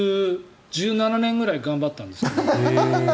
１７年ぐらい頑張ったんです。